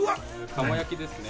鴨やきですね。